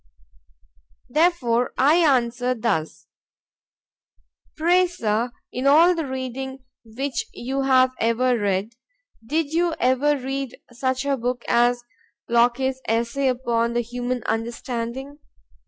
——Therefore I answer thus: Pray, Sir, in all the reading which you have ever read, did you ever read such a book as Locke's Essay upon the Human Understanding?